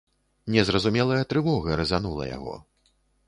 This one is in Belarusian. Незразумелая трывога разанула яго.